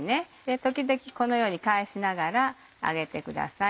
時々このように返しながら揚げてください。